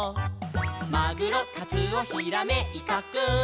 「マグロカツオヒラメイカくん」